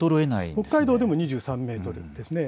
北海道で２３メートルです。